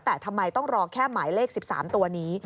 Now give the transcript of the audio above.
แต่ทำไมต้องรอแค่หมายเลข๑๓ตัวนี้